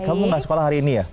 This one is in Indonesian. kamu gak sekolah hari ini ya